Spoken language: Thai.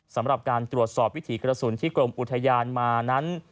สำหรับการตรวจสอบวิถีกระสุนที่กรมอุทยานมานั้น